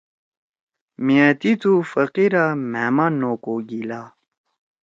میاتی تھو فقیرا مھأ ما نو کو گیلہ